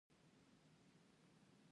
یا مي لور په نکاح ومنه خپل ځان ته